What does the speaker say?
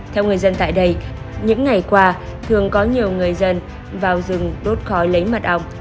theo người dân tại đây những ngày qua thường có nhiều người dân vào rừng đốt khói lấy mật ong